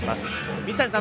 水谷さん